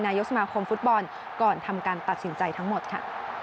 นายกสมาคมฟุตบอลก่อนทำการตัดสินใจทั้งหมดค่ะ